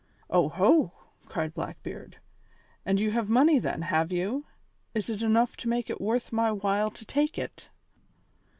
"Oho!" cried Blackbeard, "and you have money then, have you? Is it enough to make it worth my while to take it?"